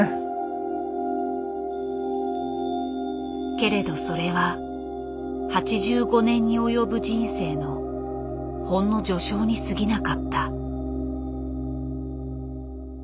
けれどそれは８５年に及ぶ人生のほんの序章にすぎなかった。